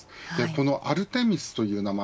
このアルテミスという名前